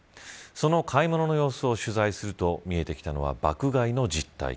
その買い物の様子を取材すると見えてきたのは爆買いの実態。